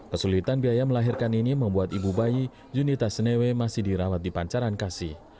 kesulitan biaya melahirkan ini membuat ibu bayi junita senewe masih dirawat di pancaran kasih